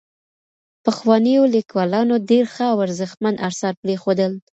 پخوانيو ليکوالانو ډېر ښه او ارزښتمن اثار پرېښودل.